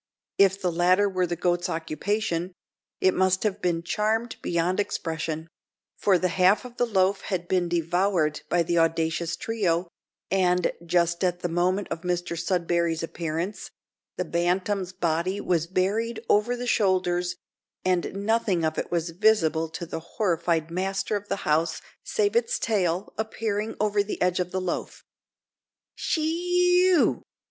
If the latter were the goat's occupation, it must have been charmed beyond expression; for the half of the loaf had been devoured by the audacious trio, and, just at the moment of Mr Sudberry's appearance, the bantam's body was buried over the shoulders, and nothing of it was visible to the horrified master of the house save its tail, appearing over the edge of the loaf. "She ee ew!"